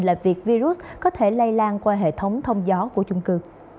là việc virus có thể lây lan qua hệ thống thông gió của chung cư